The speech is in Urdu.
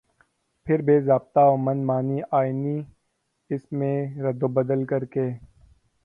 پھر بےضابطہ ومن مانی آئینی اس میں ردوبدل کرکے